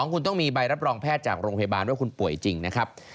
คุณต้องมีใบรับรองแพทย์จากโรงพยาบาลว่าคุณป่วยจริงนะครับ